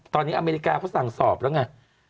ตอนนี้อเมริกาเขาสั่งสอบแล้วไง